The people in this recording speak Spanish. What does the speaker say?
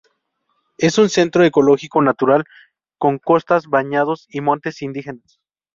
Es un centro ecológico natural con costas, bañados y montes indígenas.